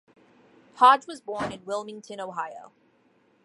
Hodge was born in Wilmington, Ohio.